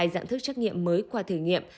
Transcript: hai dạng thức trắc nghiệm mới qua thử nghiệm